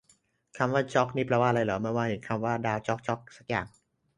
คำว่าจ๊อกนี่แปลว่าอะไรครับ เมื่อวานเห็นคำว่าดาวจ๊อกจ๊อกสักอย่าง